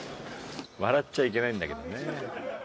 笑っちゃいけないんだけどね。